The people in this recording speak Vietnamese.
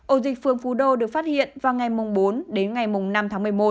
ổ dịch phường phú đô được phát hiện vào ngày bốn đến ngày năm tháng một mươi một